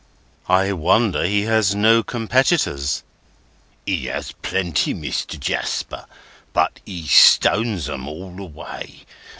"I wonder he has no competitors." "He has plenty, Mr. Jasper, but he stones 'em all away.